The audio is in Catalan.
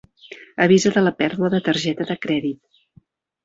Avisa de la pèrdua de targeta de crèdit.